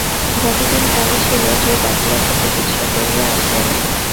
যতদিন গ্রামে ছিল, যে ডাকিয়াছে চিকিৎসা করিয়া আসিয়াছে!